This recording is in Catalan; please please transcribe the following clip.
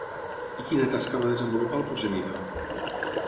I quina tasca va desenvolupar el progenitor?